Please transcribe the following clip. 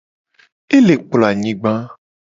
Ele kplo anyigba.